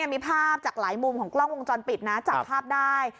มีภาพจากหลายมุมของกล้องวงจรปิดนะจับภาพได้